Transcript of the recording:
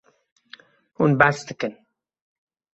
Hûn behs dikin.